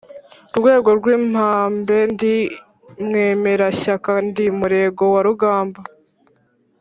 Rwego rw’impame ndi mwemerashyaka, ndi Murego wa rugamba,